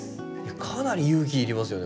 かなり勇気いりますよね